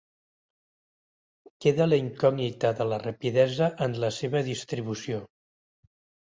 Queda la incògnita de la rapidesa en la seva distribució.